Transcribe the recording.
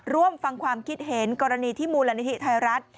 ร่วมฟังความคิดเห็นกรณีที่มูลนิธิไทยรัฐ